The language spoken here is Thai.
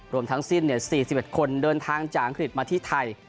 รวมทั้งสิ้นเนี่ยสี่สิบเอ็ดคนเดินทางจากอังกฤษมาที่ไทย